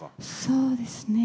そうですね